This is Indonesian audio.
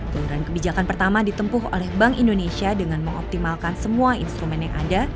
kelurahan kebijakan pertama ditempuh oleh bank indonesia dengan mengoptimalkan semua instrumen yang ada